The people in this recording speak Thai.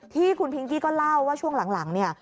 ที่คุณพิงกี้ก็เล่าว่าช่วงหลังเนี่ย